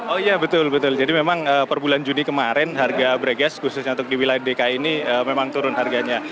oh iya betul betul jadi memang per bulan juni kemarin harga break gas khususnya untuk di wilayah dki ini memang turun harganya